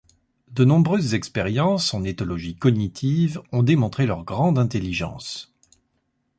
De nombreuses expériences en éthologie cognitive ont démontré leur grande intelligence.